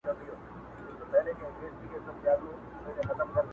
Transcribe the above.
• اوس پر څه دي جوړي کړي غلبلې دي -